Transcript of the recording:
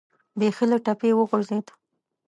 بیخي له ټپې وغورځېد.